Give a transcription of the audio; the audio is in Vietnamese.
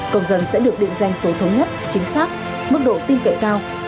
công dân sẽ được định danh số thống nhất chính xác mức độ tin cậy cao